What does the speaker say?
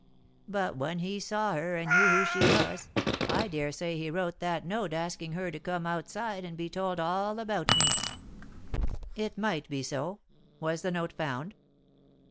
But when he saw her and knew who she was, I daresay he wrote that note asking her to come outside and be told all about me." "It might be so. Was the note found?"